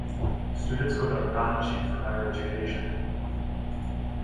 Students go to Ranchi for higher education.